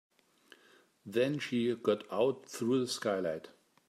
Then she got out through the skylight.